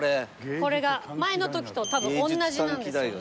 これが前の時と多分同じなんですよね。